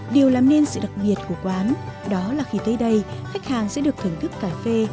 điều làm nên sự đặc biệt của quán đó là khi tới đây khách hàng sẽ được thưởng thức cà phê